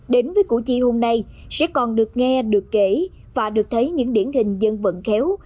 đến với củ chi hôm nay sẽ còn được nghe được kể và được thấy những điển hình dân vận khéo